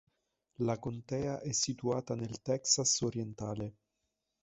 La contea è situata nel Texas orientale.